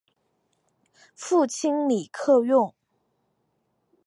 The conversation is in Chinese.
父亲李克用。